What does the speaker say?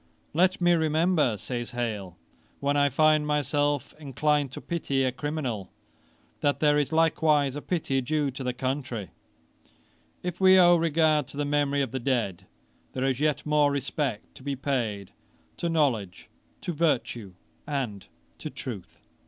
"Let me remember, (says Hale,) when I find myself inclined to pity a criminal, that there is likewise a pity due to the country." If we owe regard to the memory of the dead, there is yet more respect to be paid to knowledge, to virtue and to truth.'